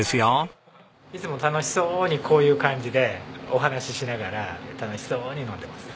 いつも楽しそうにこういう感じでお話ししながら楽しそうに飲んでます。